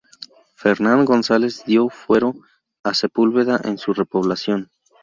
Fernán González dio fuero a Sepúlveda en su repoblación.